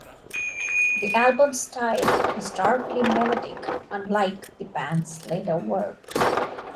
The album's style is darkly melodic, unlike the band's later work.